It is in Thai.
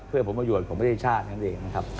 เพื่อผลประโยชน์ของประเทศชาตินั่นเองนะครับ